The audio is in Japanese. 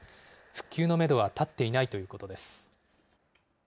復旧のメドは立っていないということです。